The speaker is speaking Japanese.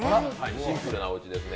シンプルなおうちですね。